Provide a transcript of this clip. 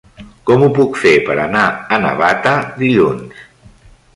Com ho puc fer per anar a Navata dilluns?